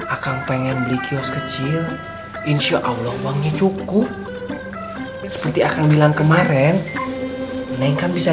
akan pengen beli kios kecil insyaallah uangnya cukup seperti akan bilang kemarin neng kan bisa